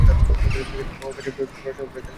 মহুয়া গাছের রসালো ফুল এদের দারুণ পছন্দ।